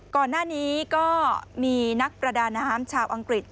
ก่อนหน้านี้ก็มีนักประดาน้ำชาวอังกฤษ